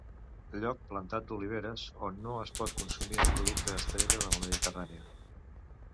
Lloc plantat d'oliveres on no es pot consumir el producte estrella de la Mediterrània.